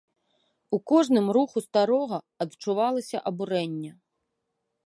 У кожным руху старога адчувалася абурэнне.